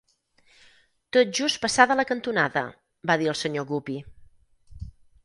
"Tot just passada la cantonada", va dir el Sr. Guppy.